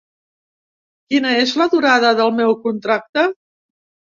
Quina és la durada del meu contracte?